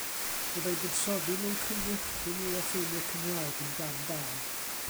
Byddai buddsoddi mewn cynhyrchu mwy o ffilmiau Cymraeg yn gam da.